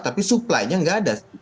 tapi supply nya nggak ada